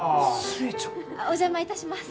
お邪魔いたします。